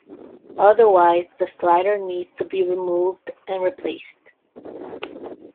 Otherwise the slider needs to be removed and replaced.